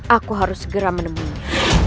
aku harus segera menemunya